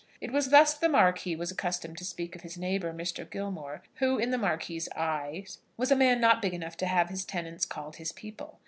It was thus the Marquis was accustomed to speak of his neighbour, Mr. Gilmore, who, in the Marquis's eyes, was a man not big enough to have his tenants called his people.